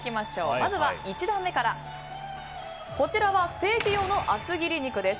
まずは１段目からこちらはステーキ用の厚切り肉です。